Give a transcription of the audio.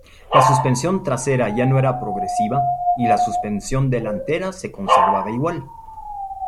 La suspensión trasera ya no era progresiva y la suspensión delantera se conservaba igual.